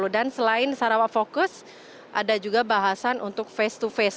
dan selain sarawak focus ada juga bahasan untuk face to face